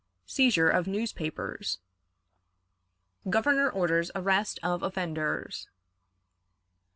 Seizure of Newspapers. Governor orders Arrest of Offenders.